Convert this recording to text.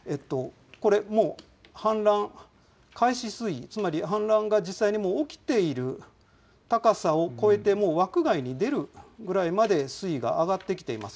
これ、もう氾濫開始水位、つまり氾濫が実際にもう起きている高さを超えてもう、枠外に出るぐらいまで水位が上がってきています。